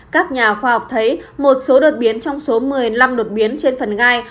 các nhà khoa học thấy một số đột biến trong số một mươi năm đột biến trên phần gai